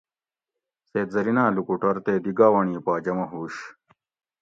سید زریناۤں لوکوٹور تے دی گاونڑی پا جمع ہُوش